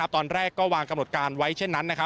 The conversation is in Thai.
ตอนแรกก็วางกำหนดการไว้เช่นนั้น